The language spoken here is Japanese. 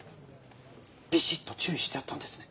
ビシっと注意してやったんですね。